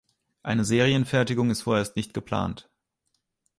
Eine Serienfertigung ist vorerst nicht geplant.